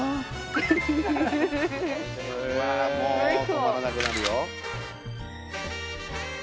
わもう止まらなくなるよ。